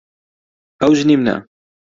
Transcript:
ئەو ژنی منە.